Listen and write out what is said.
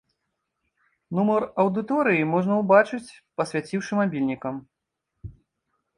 Нумар аўдыторыі можна ўбачыць, пасвяціўшы мабільнікам.